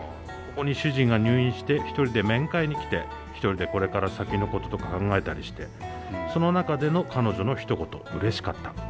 ここに主人が入院して一人で面会に来て一人でこれから先のこととか考えたりしてその中での彼女のひと言うれしかった。